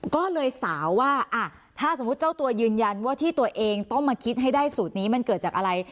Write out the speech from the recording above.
ก็เลยสาวว่าถ้าสมมุติเจ้าตัวยืนยันว่าที่ตัวเองต้องมาคิดให้ได้สูตรนี้มันเกิดจากอะไร